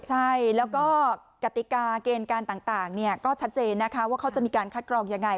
ใช่แล้วก็กติกาเกณฑ์การต่างก็ชัดเจนนะคะว่าเขาจะมีการคัดกรองยังไง